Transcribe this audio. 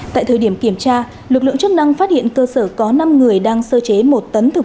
tại thời điểm kiểm tra lực lượng chức năng phát hiện cơ sở có năm người đang sơ chế một tấn thực